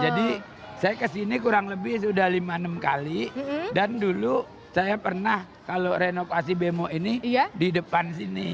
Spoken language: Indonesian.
jadi saya kesini kurang lebih sudah lima enam kali dan dulu saya pernah kalau renovasi bemo ini di depan sini